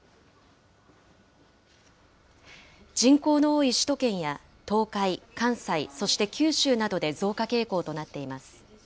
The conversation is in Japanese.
人口の多い首都圏や東海、関西、そして九州などで増加傾向となっています。